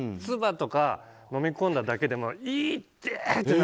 つばとか飲み込んだだけでもいってー！